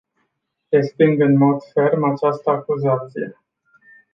Resping în mod ferm această acuzație.